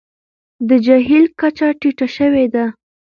د جهیل کچه ټیټه شوې ده.